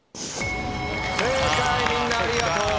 正解みんなありがとう。